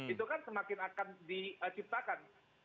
itu kan semakin akan diciptakan